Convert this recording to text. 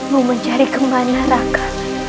mau mencari kemana raka